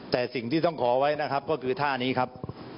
แต่สิ่งที่ต้องขอไว้นะครับก็คือท่านี้ครับ